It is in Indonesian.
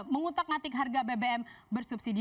mengutak ngatik harga bbm bersubsidi